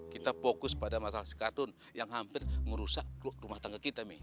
kita fokus pada masalah sekatun yang hampir ngerusak rumah tangga kita mi